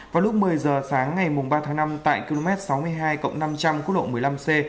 vào lúc một mươi giờ sáng ngày ba tháng năm tại km sáu mươi hai năm trăm linh quốc lộ một mươi năm c